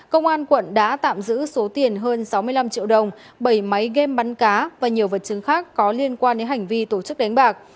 công an quận đã tạm giữ số tiền hơn sáu mươi năm triệu đồng bảy máy game bắn cá và nhiều vật chứng khác có liên quan đến hành vi tổ chức đánh bạc